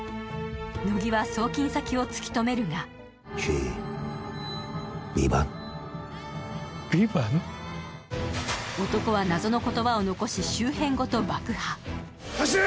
乃木は送金先を突きとめるが男は謎の言葉を残し、周辺ごと爆破。